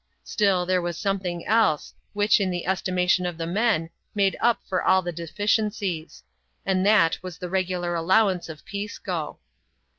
Still, there was something else, which, in the estimation of the men, made up for all deficiencies; and that was the regular allowance of Pisco.